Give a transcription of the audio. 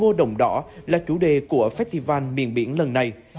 hoa ngô đồng đỏ là chủ đề của festival miền biển lần này